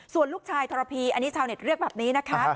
ส่วนลูกชายทรพีอันนี้ชาวเน็ตเรียกแบบนี้นะคะ